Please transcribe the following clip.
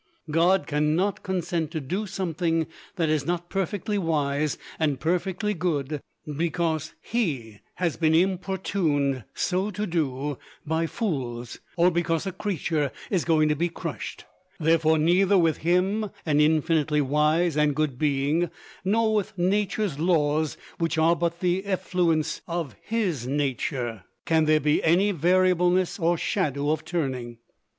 God can not consent to do something that is not perfectly wise and perfectly good because He has been importuned so to do by fools, or because a creature is going to be crushed. Therefore, neither with Him an infinitely wise and good being nor with Nature's laws, which are but the effluence of His nature, can there be any "variableness or shadow of turning."